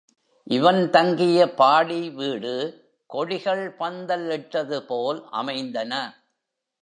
இவன் தங்கிய பாடி வீடு கொடிகள் பந்தல் இட்டதுபோல் அமைந்தன.